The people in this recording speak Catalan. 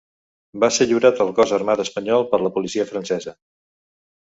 Va ser lliurat al cos armat espanyol per la policia francesa.